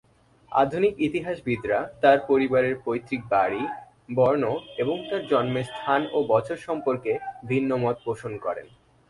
আধুনিক ইতিহাসবিদরা তার পরিবারের পৈতৃক বাড়ি, বর্ণ এবং তার জন্মের স্থান ও বছর সম্পর্কে ভিন্ন মত পোষণ করেন।